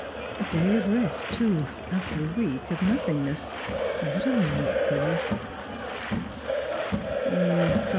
A day of rest, too, after a week of nothingness. What a mockery